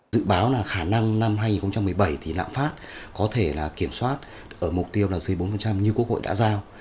nó là khả năng năm hai nghìn một mươi bảy thì lạm phát có thể kiểm soát ở mục tiêu là dưới bốn như quốc hội đã giao